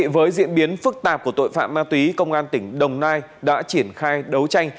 với diễn biến phức tạp của tội phạm ma túy công an tỉnh đồng nai đã triển khai đấu tranh